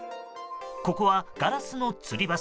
ここは、ガラスのつり橋。